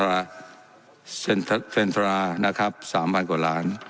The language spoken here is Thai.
เซ็นตรานะครับสามพันกว่าล้าน